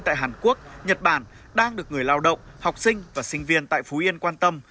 tại hàn quốc nhật bản đang được người lao động học sinh và sinh viên tại phú yên quan tâm